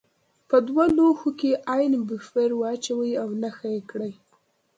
په دوه لوښو کې عین بفر واچوئ او نښه یې کړئ.